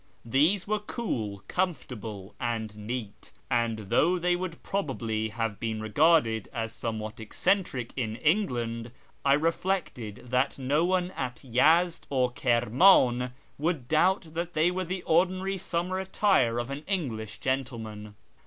These were cool, comfortable, and neat; and though they would probably have been regarded as somewhat eccentric in England, I reflected that no one at Yezd or Kirman would doubt that they were the ordinary summer attire of an Eng lish gentleman.